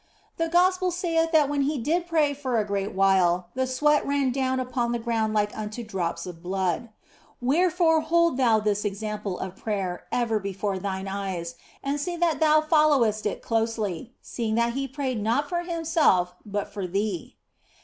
The Gospel saith that when He did pray for a great while the sweat ran down upon the ground like unto drops of blood. Wherefore hold thou this example of prayer ever before thine eyes, and see that thou followest it closely, seeing that He prayed not for Himself, but for thee.